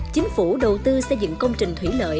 chính phủ đầu tư xây dựng công trình thủy lợi